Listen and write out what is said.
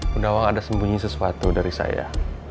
bu nawang ada sembunyi sesuatu dari saya